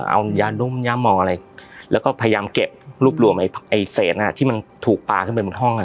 เอายานุ่มยามองอะไรแล้วก็พยายามเก็บรวบรวมไอ้เศษอ่ะที่มันถูกปลาขึ้นไปบนห้องอ่ะ